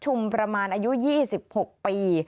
ประมาณอายุ๒๖ปี